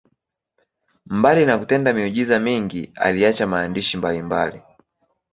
Mbali na kutenda miujiza mingi, aliacha maandishi mbalimbali.